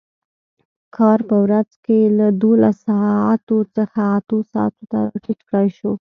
کار په ورځ کې له دولس ساعتو څخه اتو ساعتو ته راټیټ کړای شو.